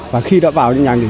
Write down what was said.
và khi đã vào nhà nghỉ